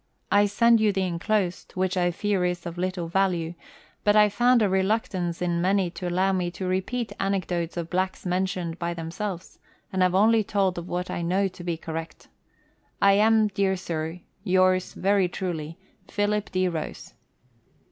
I send you the enclosed, which I fear is of little value, but I found a reluctance in many to allow me to repeat anecdotes of blacks mentioned by themselves, and have only told of what I know to be correct. And am, dear Sir, Yours very truly, PHILIP D. ROSE.